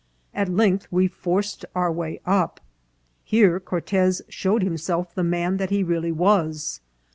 At length we forced our way up. Here Cortez showed himself the man that he really was.